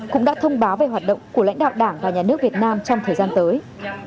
cũng đã thông báo về hoạt động của lãnh đạo đảng và nhà nước việt nam trong thời gian tới